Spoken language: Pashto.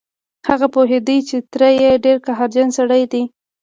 هغه پوهېده چې تره يې ډېر قهرجن سړی دی.